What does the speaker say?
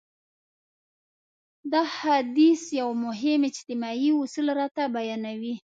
دا حديث يو مهم اجتماعي اصول راته بيانوي.